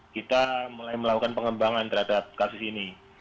kita mulai melakukan pengembangan terhadap kasus ini